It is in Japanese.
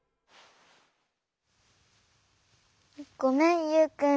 ごめんユウくん。